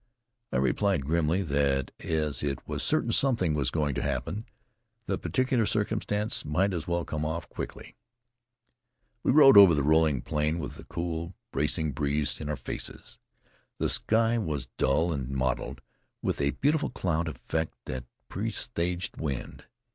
I replied grimly that, as it was certain something was going to happen, the particular circumstance might as well come off quickly. We rode over the rolling plain with a cool, bracing breeze in our faces. The sky was dull and mottled with a beautiful cloud effect that presaged wind.